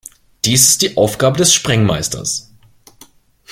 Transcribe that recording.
Dies ist die Aufgabe des Sprengmeisters.